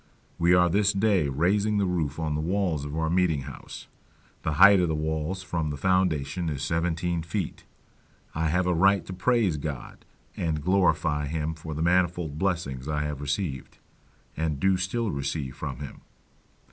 We are this day raising the roof on the walls of our meeting house; the height of the walls from the foundation is seventeen feet. I have a right to praise God, and glorify him for the manifold blessings I have received, and do still receive from him.